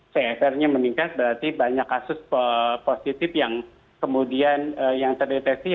cfr nya meningkat berarti banyak kasus positif yang terdeteksi